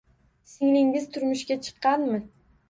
Singlingiz turmushga chiqqanmi?